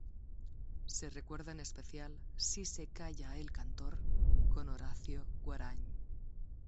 Se recuerda en especial "Si se calla el cantor" con Horacio Guarany.